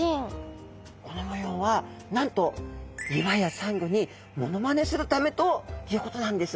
この模様はなんと岩やサンゴにモノマネするためということなんです。